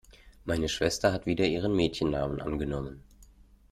Meine Schwester hat wieder ihren Mädchennamen angenommen.